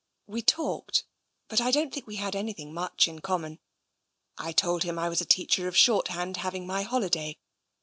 We talked, but I don't think we had anything much in common. I told him I was a teacher of short hand, having my holiday.